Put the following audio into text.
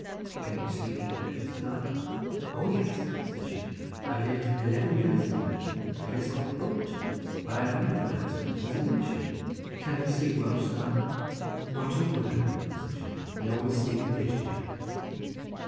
"Can you speak English?" said I. "O yes," said she, "I lived eleven years in England, at a place called Bolton, where I married my husband, who is an Englishman." "Can he speak Welsh?" said I. "Not a word," said she. "We always speak English together."